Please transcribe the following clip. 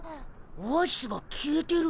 オアシスが消えてる。